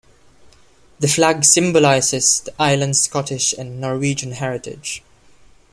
The flag symbolises the islands' Scottish and Norwegian heritage.